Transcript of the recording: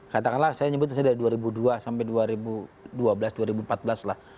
katakanlah saya nyebut misalnya dari dua ribu dua sampai dua ribu dua belas dua ribu empat belas lah